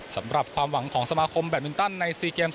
สำหรับความหวังของสมาคมแบตมินตันใน๔เกม